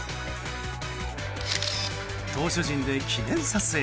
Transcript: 投手陣で記念撮影。